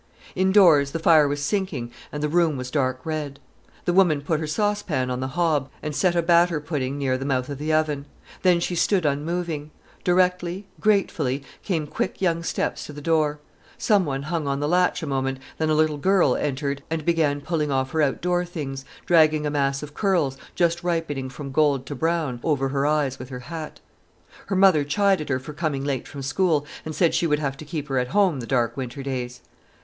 Indoors the fire was sinking and the room was dark red. The woman put her saucepan on the hob, and set a batter pudding near the mouth of the oven. Then she stood unmoving. Directly, gratefully, came quick young steps to the door. Someone hung on the latch a moment, then a little girl entered and began pulling off her outdoor things, dragging a mass of curls, just ripening from gold to brown, over her eyes with her hat. Her mother chid her for coming late from school, and said she would have to keep her at home the dark winter days.